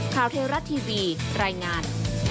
ข่าวเทราะห์ทีวีรายงาน